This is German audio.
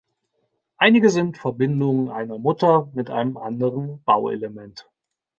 Einige sind Verbindungen einer Mutter mit einem anderen Bauelement.